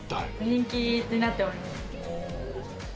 人気になっております。